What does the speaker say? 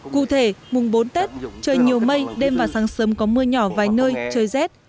cụ thể mùng bốn tết trời nhiều mây đêm và sáng sớm có mưa nhỏ vài nơi trời rét